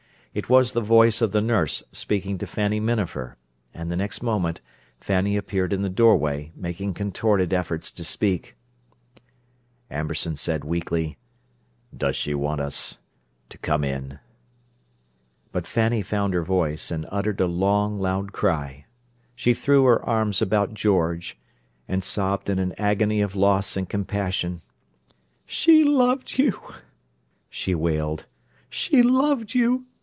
It was the voice of the nurse speaking to Fanny Minafer, and the next moment, Fanny appeared in the doorway, making contorted efforts to speak. Amberson said weakly: "Does she want us—to come in?" But Fanny found her voice, and uttered a long, loud cry. She threw her arms about George, and sobbed in an agony of loss and compassion: "She loved you!" she wailed. "She loved you!